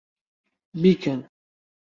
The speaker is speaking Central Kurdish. بیکەن!